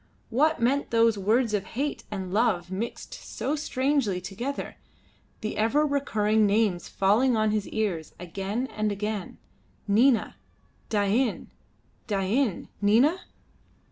What meant those words of hate and love mixed so strangely together, the ever recurring names falling on his ears again and again Nina, Dain; Dain, Nina?